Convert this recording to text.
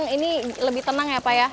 ini lebih tenang ya pak ya